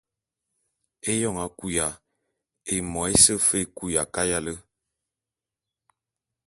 Eyoñ a kuya, émo ése fe é kuya kayale.